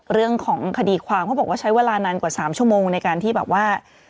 เรื่องของคดีความเขาบอกว่าใช้เวลานานกว่า๓ชั่วโมงในการที่แบบว่า